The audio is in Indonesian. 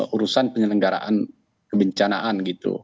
urusan penyelenggaraan kebencanaan gitu